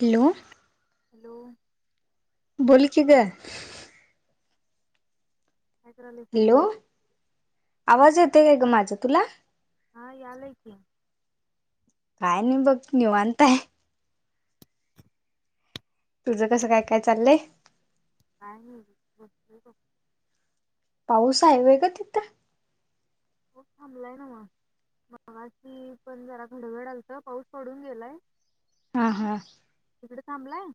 Hello hello बोल की गं काय करायलायसा हॅलो मायल्या? आवाज येत [unintelligible] ग माझं तुला हा यायलायकी काय नाही बघ निवांताय तुझं कसं काय काय चाललंय नाही बसलोय बग पाऊस आहे व्हय गं तिथं पाऊस थांबलाय न्हव मगाशी पण जरा घडघडालत पाऊस पडून गेलाय हा हा तिथं थांबलाय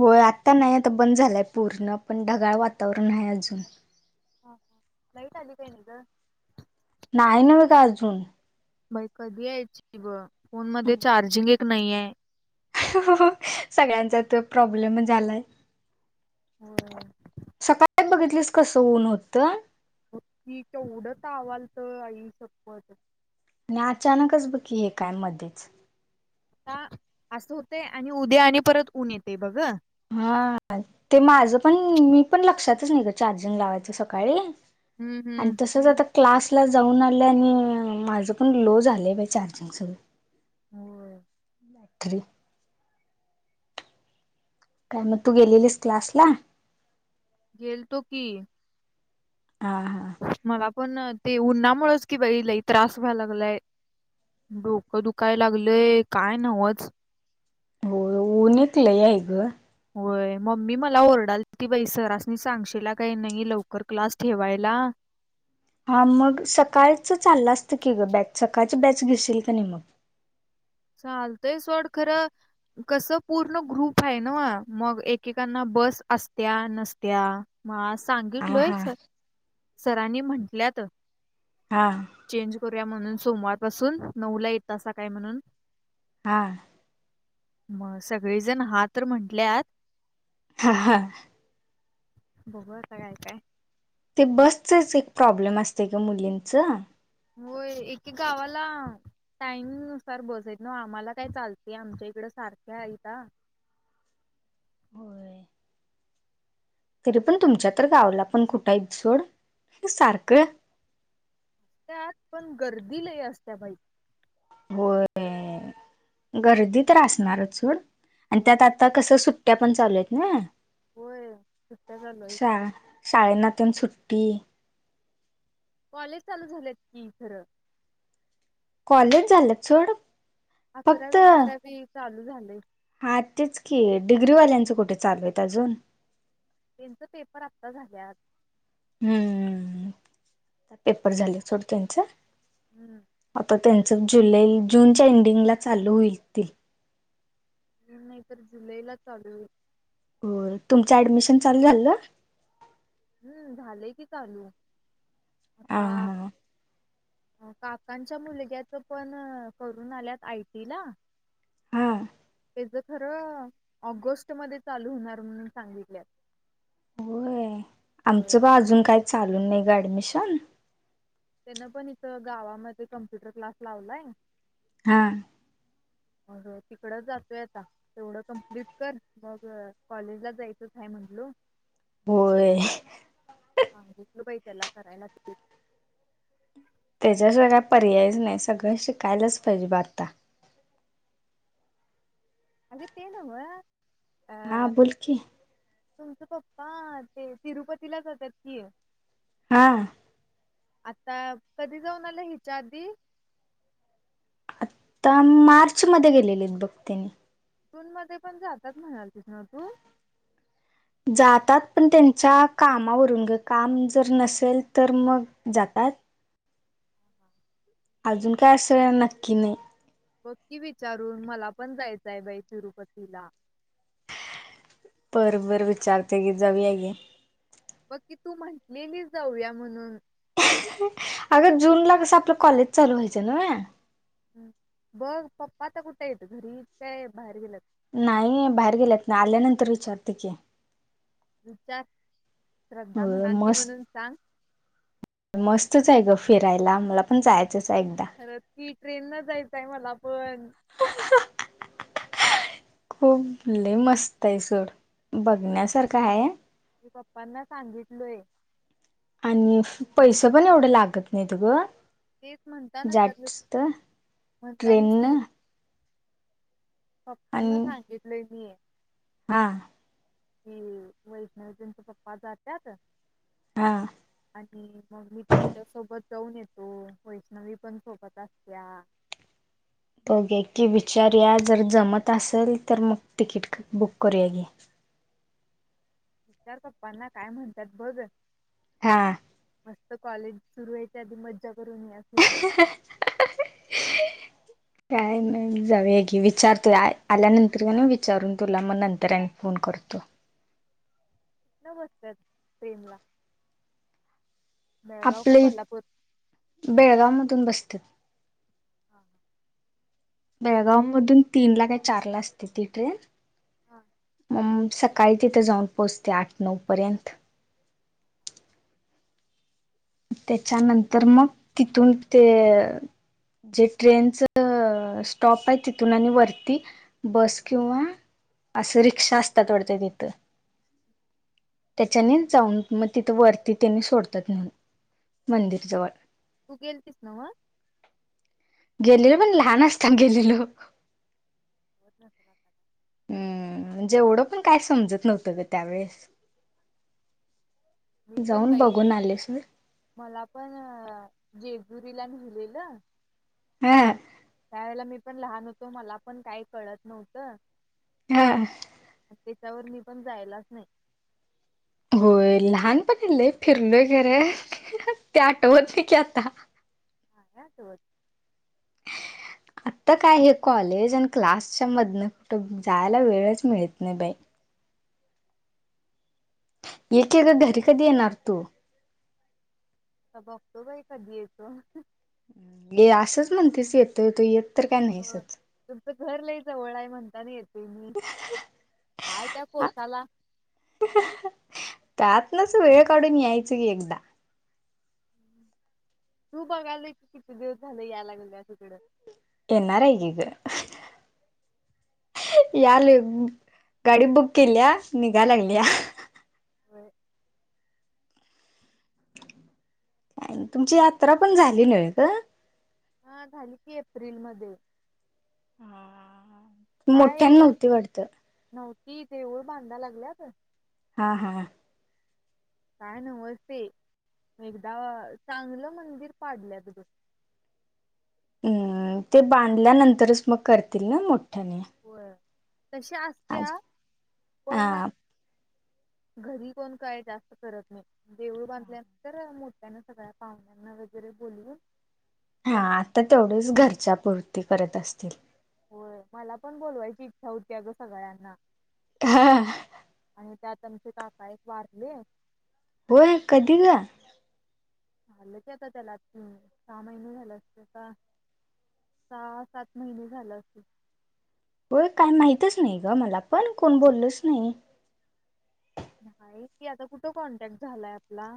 होय आता नाही आता बंद झालंय पूर्ण पण ढगाळ वातावरण आहे अजून ह ह लाईट आली काय नई ग नाही न व का अजून बई कधी यायची ब फोन मध्ये चार्जिंग एक नयाय [unintelligible] सगळ्यांचा त्यो प्रॉब्लेम झालाय होय सकाळ का बघितलीस कसं ऊन होतं की केवढं तावालत आई शपथ आणि अचानकच ब की हे काय मधीच आता असं होते आणि उद्या आणि परत ऊन येते बघ हा ते माझ पण मी पण लक्षातच नाही ग चार्जिंग लावायचं सकाळी हम्म आणि हम्म. तसच आता क्लासला जाऊन आणलं आणि माझं पण लो झालं बा चार्जिंग सगळं होय. बाख्री काय मग तू गेलेलीस क्लास ला गेलतो की हा हा मला पण ते उन्हामुळेच कि बाई लई त्रास व्हाय लागलाय डोकं दुखाय लागलंय काय नवच हो उनेतलं याय ग होय मम्मी मला ओरडाल त बाई सरासनी सांगशला काही नाही लवकर क्लास ठेवायला हा मग सकाळच चाललं असतं की ग बॅच सकाळची बॅच घेशील का नाही मग चालतय सोड खरं कस पूर्ण ग्रुप आहे ना मग एकेकांना बस असत्या नसत्या मास् हा सांगितलोय हा सर सरांनी म्हटल्यात हा चेंज करया म्हणून सोमवार पासून नऊ ला येतं असा काय म्हणून हा मग सगळेजण हा तर म्हंटल्यात हा हा बघर करायचय ते बसचेच एक प्रॉब्लेम असते का मुलींच होय एके गावाला टाईमुसार बसत ना आम्हाला काय चालतेय आमच्या इकड सारख्या इथ होय तरी पण तुमच्या तर गावला पण कुठंही जोड हे सारखं त्यात पण गर्दी ल असत्या बाई होय गर्दी तर रा असणार चूड आणि होय त्यात आता कसं सुट ्या पण चालू आहेत ना होय सुट्या झाचालय शाळे नात्यान सुट्टी कॉलेज चालू झालेत की खरं कॉलेज झालं चड अकरावी बारावी चाल [inaudible] हा तेच की डिग्रीवाल्यांचं कुठे चालूेत अजून त्यांच पेपर आता झाल्यात हम्म पेपर झाले थोड त्यांच हम्म त्यांच जुलै जूनच्या एंडिंगला चालू होईलतील नाही तर जुलैला चालू आहे हो तुमचं ऍडमिशन चालू झालं हम्म झालंय की चालू हा आता हा काकांच्या मुलग्याच पण करून आल्यात आयटीला हा खर ऑगस्ट म चालू होणार म्हणून सांगितल्या होय आमचं प अजून काही चालून नाही गाडी अॲडमिशन त्यांन पण इथ गावामध्ये कम्प्युटर क्लास लावलाय हा मग तिकडच जातोय आता तेवढं कम्प्लीट कर मग कॉलेजला जायचं आहेय म्हटल होय हा हटल बाई त्याला कराय न त्याच्याशिवाय काय पर्यायच नाही सगळं शिकायलाच पाहिजे ब आता अगते नाव हा बोलोलकी तुमचं पप्पा ते तिरुपतीला जातात की हा आता कधी जाऊन आले हिच्या आधी आता मार्च मध्ये गेलेले आहेत बघ त्यांनी टून मध्ये पण जातात म्हणाल तस ना तू जातात पण त्यांच्या कामावरून ग काम जर नसेल तर मग जातात अजून काय असं नक्की नाही पक्की विचारून मला पण जायचंय बाई तिरुपतीला पर बर विचारते की जावी आहे गी मग कि तू म्हटलेली जाऊया म्हणून अगर जून ला कस आपलं कॉलेज चालू व्हायचं ना हम बघ पप्पा आता कुठे येत घरी काय बाहेर गेलात नाही बाहेर गेल्यात ना आल्यानंतर विचारते की वि चार हो मस्त-मस्तच आहय गं फिरायला मला पण जाय जसा एकदा खरंच की ट्रेन न जायचं आहय मला पण खूप लय मस्त आहय सोड बघण्यासारख आहय मी पप्पांना सांगितलोय आणि पैसे पण एवढं लागत नाहीत गं तेच म्हणताना तर - म्हणतानाच की ट्रेननं आणि पप्पांना सांगितलोय मी हा कि वैष्णवी त्यांंच पप्पा जात्यात हा आणि मग मी त्यांच्या सोबत जाऊन ये कोन वैष्णवी पण सोबत असत्या ओके की विचारूया जर जमत असेल तर मग तिकीट बुक करूया घे विचार पप्पांना काय म्हणतात बघ हा मस्त कॉलेज सुरू व्हायच्या आधी मज्जा करून या बर काय नाही जाऊ की विचारतो आ आल्यानंतर कनी विचारून तुला मग नंतर आणि फोन करतो नमस्कार प्रेम ला बेळगाव काय आपले कोल्हापूर - बेळगांव मधून बस्त्यात हा बेळगांव मधून तीन ला काय चार ला असते ती ट्रेन हा उम सकाळी तिथं जाऊन पोहोचते आठ नऊ पर्यंत त्याच्यानंतर मग तिथून ते - जे ट्रेनच -स्टॉप आहय तिथून आणि वरती बस किंवा असं रिक्षा असत्यात वाटतात तिथं त्याच्यानेच जाऊन मग तिथं वरती त्यानी सोडतयात म्हण मंदिर जवळ तू गेलतीस नव्ह - गेले पण लहान असताना गेलेलो बर बर जेवढं पण काय समजत नव्हतं ग त्यावेेळेस मी पण जाऊन बाई बघून आले सोड - मला पण जेजुरीला नेलेलं हा त्यावेळेला मी मी पण लहान होतो मला पण काही कळत नव्हतं हा आणि त्याच्यावर मी पण जायलाच नाही होय लहानपनी लय फिरलोय खर ते आठवत नाही की आता हा या त होत आता काय हे कॉलेज आणि क्लासच्या मधनं कुठं जायला वेळच मिळत नाही बाई एके तर घरी कधी येणार तू आ बघतो बाई कधी याेतो ये असंच म्हणतेस येत तो येत पत्र का होय. नाहीसंच तुमचं घर ल जवळ आहे म्हणतात येत तही हाय त्या हा कोसाला त्यात नस वेळ काढून यायचं की एकदा तू बघाल की किती दिवस झालं यायलागेल तिकडं येणारार आहेगिक या ल गाडी बुक केली या निघा लागली होय. का तुमची यात्रा पण झाली नाहीय का हा झाली की एप्रिल मध्ये हा मोठ्या नव्हती वाटत की देऊळ बांधा लागल्यात हा हा काय नमस्ते एकदा चांगलं मंदिर पाडलं तधून हम्म ते बांधल्यानंतरच मग करतील ना मोठ पठन होय तशी असत पण हा घरी कोण काय जास्त करत नाही. देऊळ बांधल्यानंतर मोठ. सगळ्या पाहण्यांना वगैरे बोलू. हा आता तेवढीच घरच्यापुरती परत असतील. होय मला पण बोलवायची इच्छा होती अ ग सगळ्यांना हा. आणि त्यात आमचे काका एक वारले. होय कधी ग. झालं क आता त्याला आ ती सहा महिने झाले असत का सहा सात महिने झालं अस. होय काही माहितच नाही ग मला पण कोण बोललच नाही. हा कि आता कुठं कॉन्टॅक्ट झालाय आपला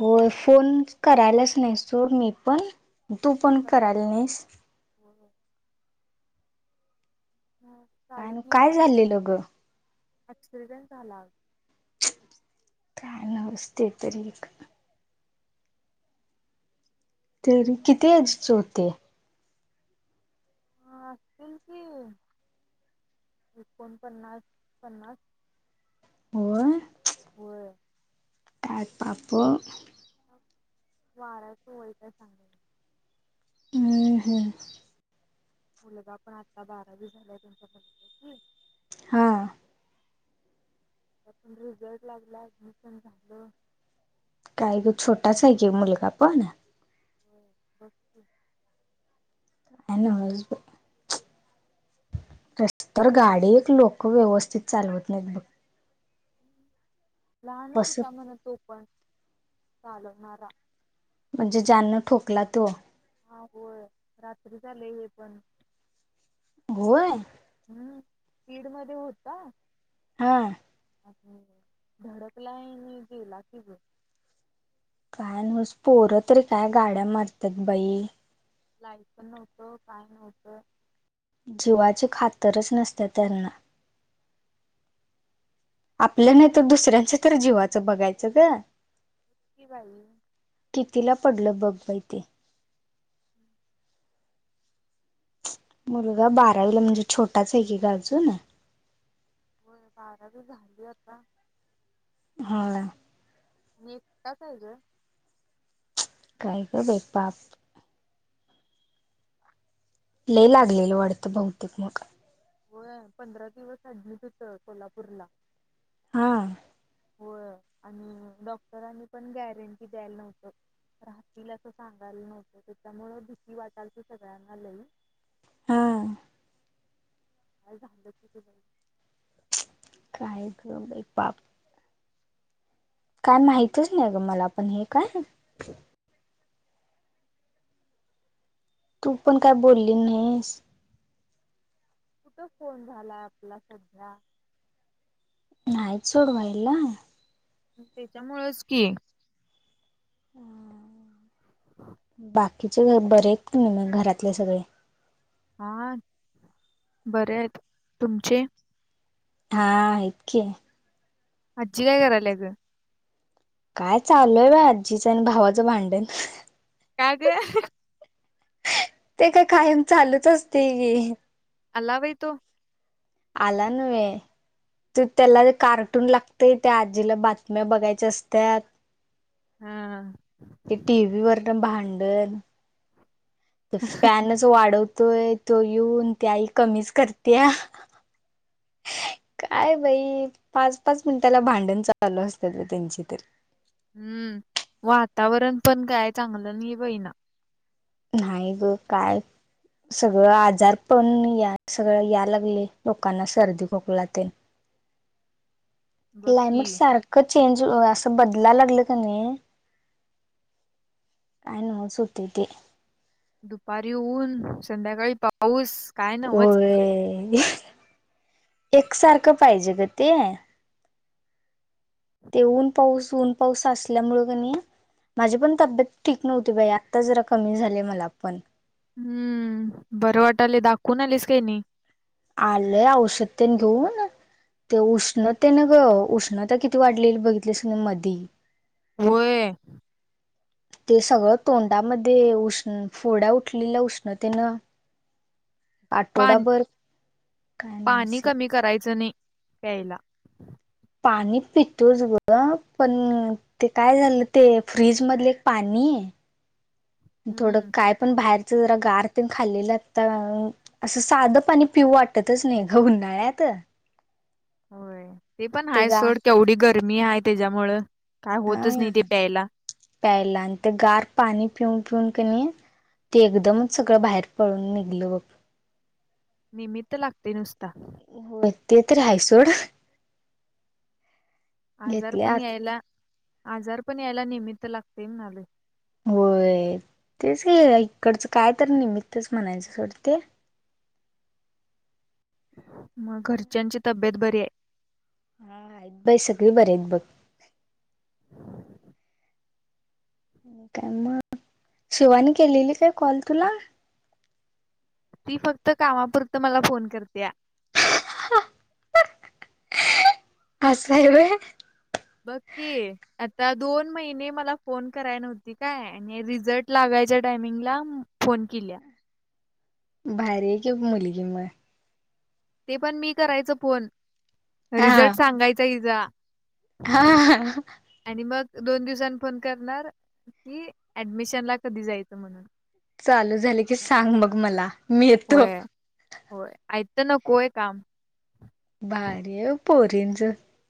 हो फोन करायलाच नाही सोड मी आपण मी तू पण कर कल नाहीस. होय. हा, काय काय झाले ल ग. एक्सिडेंट झाला. काय नवस्ते तरी एक तर कितीच होते. अ असतील की एकोणपन्नास पन्नास हो. वर. त्यापाप वारा तय प सांग. हम् हम. मुलगा पण आत्ता बारावी झालाय त्यांच्या क हा. ातण र जड लागला मिसन झालं. काय छोटाच आहे की मुलगा पण हम बम ह. आणिनस ब तर गाडी एक लोक व्यवस्थित चालवत नाहीत बघ. लहानच होता कसं म्हण तो पण चालो न रा म्हणजे जा्यांनण ठोकला तो हा हो रात्री झाले हे पण होय. हम् पीड मध्ये होता. हा. आणि धडकला गेला किझ काय नूस पोरं तरी काय गाड्या मारतात बाई. लाई पण नव्हतं काय नव्हतं. जीवाची खातरच नसते त्यांना आपल्या नाही तर दुसऱ्यांच तर जीवाचं बघायचं ग. [unintelligible] कितीला पडलं बघ बाई ते मुलगा बारावीला म्हणजे छोटाच आहे की ग अजून. हो बारावी झाली आता. हा. निता काय ग. काय ग बाई पाप लय लागलेल वाढतं बहुतेक मोठ. हो पंधरा दिवस अऍडमिट होत कोल्हापूरला हा. हो आणि डॉक्टरांनी पण गॅरंटी द्यायला नव्हत राहतील असं सांगायला नव्हतं त्याच्यामुळ भीती वाटालची सगळ्यांना लई. हा. [unintelligible] काय ग बई पाप. काय माहितच नाही ग मला पण हे काय तू पण काय बोलली नाहीस. कुठं फोन झाला आपला सध्या नाहीत सोडवायला. त्यांच्यामुळच की बाकीचे बरेच म घरातले सगळे. हा बरे आहेत तुमचे? हा आहेत की. आजी काय करालेत. काय चालूय बा आजीचं आणि भावाचं भांडण काग. ते काय कायम चालूच असते. आला बाई तो. आला नहे त त्याला कार्टून लागतेय त्या आजीला बातम्या बघायच्या असत्या हा ते टी वी वर भांडण तो फॅनच वाढव तो ये तो येऊन त आई कमीच करते काय बाई पाच पाच मिनटाला भांडण चालू असतात त्यांचे तर. हम्म वातावरण पण काय चांगलं नाही बहिना. नाही ग काय सगळं आजार पण या सगळं या लागले लोकांना सर्दी खोकला ते. बघ क्लायमेट की. सारखंच चेंज असं बदलाय लागल का नाही काय नवच होते ते. दुपारी ऊन संध्याकाळी पाऊस काय नवच. होय. एकसारखं पाहिजे ग ते ते ऊन पाऊस ऊन पाऊस असल्यामुळं कणी माझी पण तब्येत ठीक नव्हती बाई आता जरा कमी झाले मला पण. हम्म बरं वाटले दाखवून आलेस काही नाही. आलंय औषधतेन घेऊन ते उष्णतेन ग उष्णता किती वाढलेली बघितलीस मधी व्हय. ते सगळं तोंडामध्ये उष्ण फोड्या उठलेल्या उष्णतेनं पा आठवडाभर काय पाणी नव्हते कमी करायचं नाही पला पाणी पितोच ग पण ते काय झालं ते फ्रीज मध एक पाणी थोडं हम्म काय पण बाहेर जरा गार ते खाल्लेलं असं साधं पाणी पिऊ वाटतच नाही ग उन्हाळ्यात होय ते पण आहे सड केवढी गर तर मी आहे त्याच्यामुळं काय हा होतच नाही ते प्यायला. प्यायला आणि ते गार पाणी पिऊन पिऊन क नाही ते एकदमच सगळं बाहेर पडून निघल ब निमित्त लागते नुसता नेतत रायसोड आजार पण आत यायला आजार पण यायला निमित्त लागते आले होय तेच इकडचं काय तर निमित्च म्हणायच्या सोड ते मग घरच्यांची तब्येत बरी आहे हा आहेत बाई सगळे बर आहेत आहेत बघ काय मग शिवानी केलेली काय कॉल तुला ती फक्त कामापुरतं मला फोन करते या अससा आहे आहे बघ आता दोन महिने मला फोन कराय नव्हती काय आणि रिझल्ट लागायच्या टायमिंगला फोन केल्या भारी क मुलीिक म ते पण मी करायचं फोन हा रिझल्ट सांगायचा तिचा हा आणि मग दोन दिवसांनी फोन करणार कि ऍडमिशन ला कधी जायचं म्हणून चालू झाले की सांग मग मला मी येतो होय. होय आय तर नकोय काम पोरंज